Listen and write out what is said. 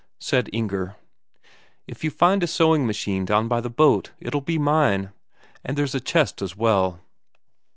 Said Inger: "If you find a sewing machine down by the boat, it'll be mine. And there's a chest as well."